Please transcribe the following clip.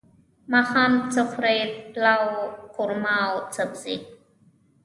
ماښام څه خورئ؟ پلاو، قورمه او سبزی